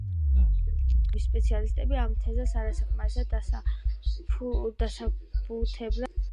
შესაბამისი დარგების სპეციალისტები ამ თეზას არასაკმარისად დასაბუთებულად მიიჩნევენ.